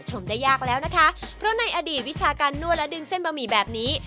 ได้ยากแล้วนะคะเพราะในอดีตวิชาการนวดและดึงเส้นบะหมี่แบบนี้